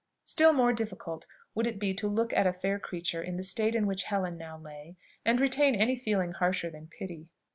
Still more difficult would it be to look at a fair creature in the state in which Helen now lay, and retain any feeling harsher than pity.